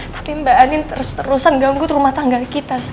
tapi mbak anin terus terusan ganggu rumah tangga kita